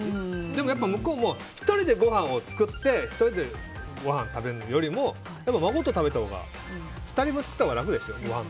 でも向こうも１人でごはんを作って食べるよりも孫と食べたほうが２人分作ったほうが楽でしょ。